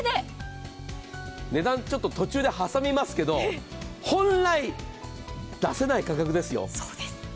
値段、途中で挟みますけど、本来、出せない価格ですよ。